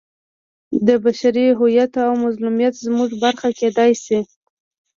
دا بشري هویت او مظلومیت زموږ برخه کېدای شي.